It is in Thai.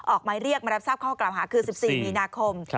ออกมาเรียกมารับทราบข้อกล่าวหาคือ๑๔มีนาคม